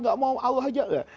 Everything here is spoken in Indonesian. gak mau allah aja